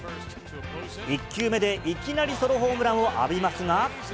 １球目でいきなりソロホームランを浴びますが。